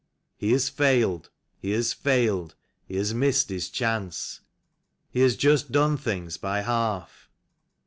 He has failed, he has failed; he has missed his chance ; He has just done things by half.